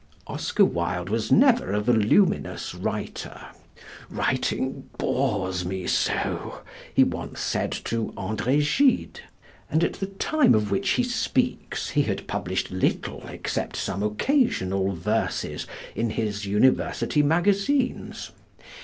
Oscar Wilde was never a voluminous writer "writing bores me so," he once said to André Gide and at the time of which he speaks he had published little except some occasional verses in his University magazines.